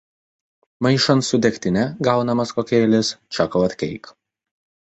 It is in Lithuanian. Maišant su degtine gaunamas kokteilis "Chocolate Cake".